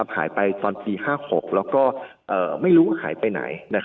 หายไปตอนปี๕๖แล้วก็ไม่รู้หายไปไหน